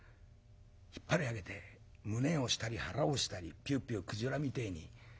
引っ張り上げて胸押したり腹押したりピューピュー鯨みてえに水吐いたとよ。